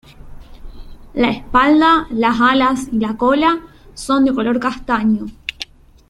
La espalda, las alas y la cola son de color castaño.